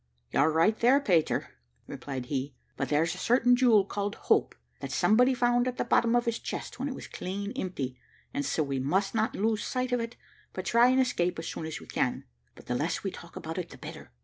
"You're right there, Peter," replied he; "but there's a certain jewel called Hope, that somebody found at the bottom of his chest, when it was clean empty, and so we must not lose sight of it, but try and escape as soon as we can; but the less we talk about it the better."